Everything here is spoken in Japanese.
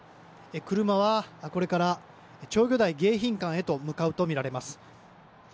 車はこれから釣魚台迎賓館へと向かうとみられます。